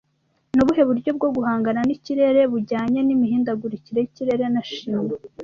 Ni ubuhe buryo bwo guhangana n'ikirere bujyanye n'imihindagurikire y'ikirere na shimi